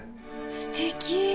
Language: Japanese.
すてき。